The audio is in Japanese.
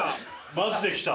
マジで来た。